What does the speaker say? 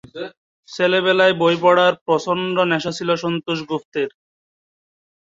ছেলেবেলায় বই পড়ার প্রচন্ড নেশা ছিল সন্তোষ গুপ্তের।